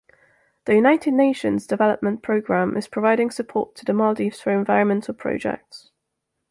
The United Nations Development Programme is providing support to the Maldives for environmental projects.